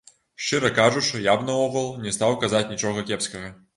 Шчыра кажучы, я б наогул не стаў казаць нічога кепскага.